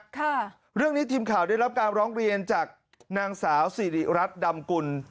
ค่ะเรื่องนี้ทีมข่าวได้รับการร้องเรียนจากนางสาวสิริรัตน์ดำกุล